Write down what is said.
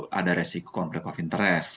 tapi tidak ada resiko konflik of interest